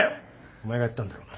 お前がやったんだろ？